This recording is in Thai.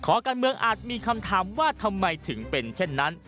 การเมืองอาจมีคำถามว่าทำไมถึงเป็นเช่นนั้น